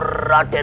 tidak tuan odaikan